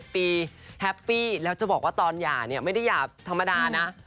ปีแฮปปี้แล้วจะบอกว่าตอนหย่าเนี่ยไม่ได้หย่าธรรมดานะ